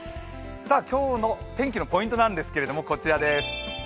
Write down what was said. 今日の天気のポイントなんですけれども、こちらです。